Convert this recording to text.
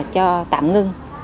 cho tạm ngưng